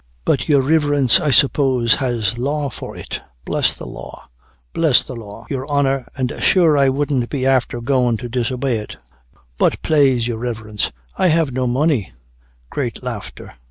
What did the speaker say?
But your Riverence, I suppose, has law for it? Bless the law! your honor, and sure an I wouldn't be after going to disobey it; but plase your Riverence, I have no money' (great laughter).